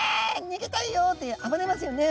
逃げたいよ！って暴れますよね。